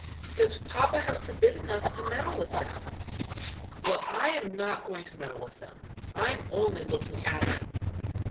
"Because papa has forbidden us to meddle with them." Henry. "Well, I am not going to meddle with them; I am only looking at them."